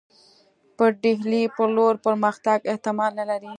پر ډهلي پر لور پرمختګ احتمال نه لري.